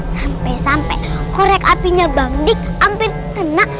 sampai sampai korek apinya bangdik hampir kena